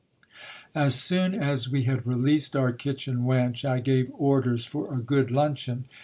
As soon as we had released our kitchen wench, I gave orders for a good luncheon.